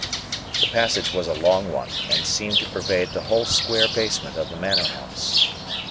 The passage was a long one, and seemed to pervade the whole square basement of the Manor House.